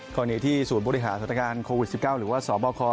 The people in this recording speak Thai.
กรณีที่ศูนย์บริหารสถานการณ์โควิด๑๙หรือว่าสบค